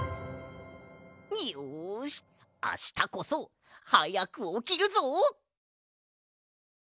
よしあしたこそはやくおきるぞ！